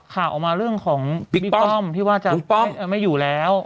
ข่าวออกมาเรื่องของบิ๊กป้อมที่ว่าจะไม่อยู่แล้ว